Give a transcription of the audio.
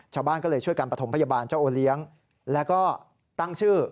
ชาวบ้านก็เลยช่วยการประถมพยาบาลเจ้าโอเลี้ยงแล้วก็ตั้งชื่อ